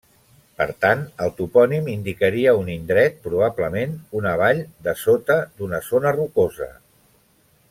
Per tant, el topònim indicaria un indret, probablement una vall, dessota d'una zona rocosa.